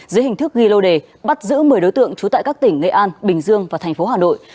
dưới hình thức ghi lô đề bắt giữ một mươi đối tượng trú tại các tỉnh nghệ an bình dương và thành phố hà nội